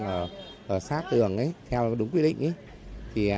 ở sát đường theo đúng quy định